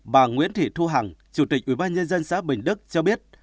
bà nguyễn thị thu hằng chủ tịch ủy ban nhân dân xã bình đức cho biết